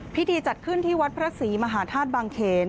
พิธีจัดขึ้นที่วัดพระศรีมหาธาตุบางเขน